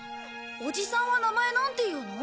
おじさんは名前なんていうの？